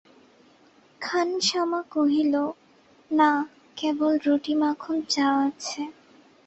খানসামা কহিল, না, কেবল রুটি মাখন চা আছে।